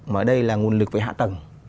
mà ở đây là nguồn lực về hạ tầng